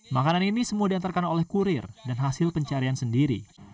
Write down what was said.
makanan ini semua diantarkan oleh kurir dan hasil pencarian sendiri